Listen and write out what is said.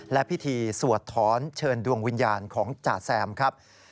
และพิธีสวดถอนเชิญดวงวิญญาณของจ่าแซมครับ